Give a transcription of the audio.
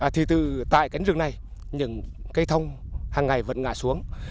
thì từ tại cánh rừng này những cây thông hàng ngày vẫn ngã xuống